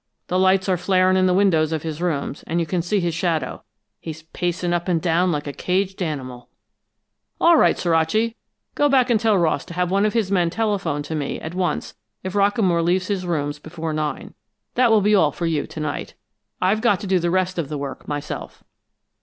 The lights are flaring in the windows of his rooms, and you can see his shadow he's pacing up and down like a caged animal!" "All right, Suraci. Go back and tell Ross to have one of his men telephone to me at once if Rockamore leaves his rooms before nine. That will be all for you to night. I've got to do the rest of the work myself."